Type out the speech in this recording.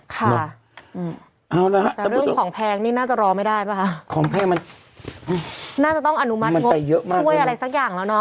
ค่ะเอาละฮะแต่เรื่องของแพงนี่น่าจะรอไม่ได้ป่ะคะของแพงมันน่าจะต้องอนุมัติงบช่วยอะไรสักอย่างแล้วเนาะ